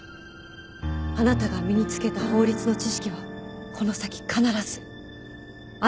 あなたが身に付けた法律の知識はこの先必ずあなたを守ってくれます。